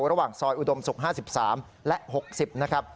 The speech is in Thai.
ระหว่างซอยอุดมศุกร์๕๓และ๖๐นะครับ